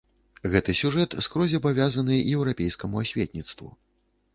Гэты сюжэт скрозь абавязаны еўрапейскаму асветніцтву.